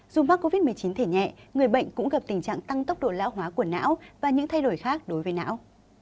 dù mắc covid một mươi chín thể nhẹ người bệnh cũng gặp tình trạng tăng tốc độ lão hóa của não và những thay đổi khác đối với não